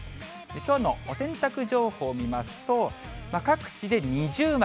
きょうのお洗濯情報見ますと、各地で二重丸。